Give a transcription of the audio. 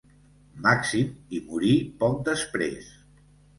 Màxim hi morí poc després.